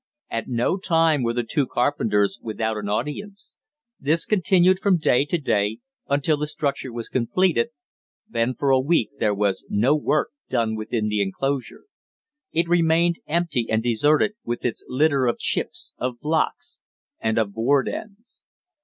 At no time were the two carpenters without an audience. This continued from day to day until the structure was completed, then for a week there was no work done within the inclosure. It remained empty and deserted, with its litter of chips, of blocks and of board ends.